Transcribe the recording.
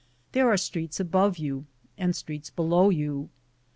There are streets above you and streets below you.